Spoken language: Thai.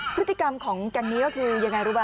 พฤติกรรมของแก๊งนี้ก็คือยังไงรู้ป